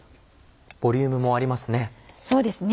ボリュームもありますね。